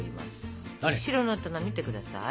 後ろの棚見て下さい。